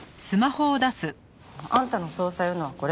あんたの捜査用のはこれ。